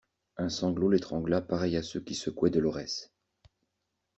Un sanglot l'étrangla pareil à ceux qui secouaient Dolorès.